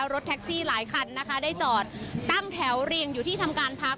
รถแท็กซี่หลายคันนะคะได้จอดตั้งแถวเรียงอยู่ที่ทำการพัก